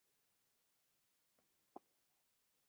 دا قوه د آیونونو د یو له بل سره نښلولو لامل ګرځي.